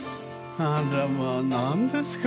あらまあ何ですか。